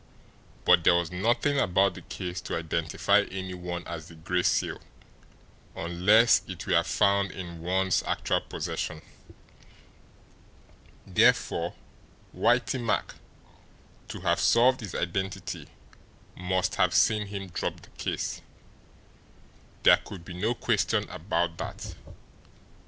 But there was nothing about the case to identify any one as the Gray Seal unless it were found in one's actual possession. Therefore Whitey Mack, to have solved his identity, must have seen him drop the case. There could be no question about that.